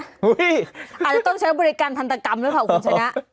อาจจะต้องใช้บริการทันตกรรมหรือเปล่าคุณชนะ